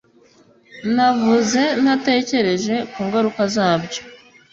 navuze ntatekereje ku ngaruka zabyo